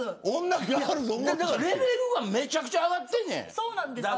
レベルはめちゃめちゃ上がってね。